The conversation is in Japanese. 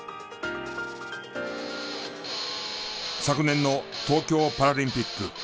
昨年の東京パラリンピック